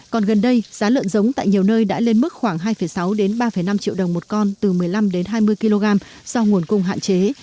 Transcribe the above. còn gần đây giá lợn giống tại nhiều nơi đã lên mức khoảng hai sáu ba năm triệu đồng một con từ một mươi năm đến hai mươi kg do nguồn cung hạn chế